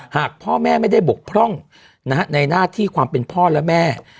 หากพ่อแม่ไม่ได้บกพร่องในหน้าที่ความเป็นพ่อและแม่